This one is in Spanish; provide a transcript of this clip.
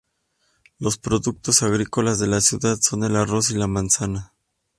Los productos agrícolas de la ciudad son el arroz y la manzana.